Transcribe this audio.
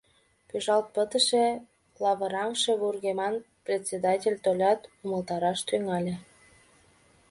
Пӱжалт пытыше, лавыраҥше вургеман председатель толят, умылтараш тӱҥале.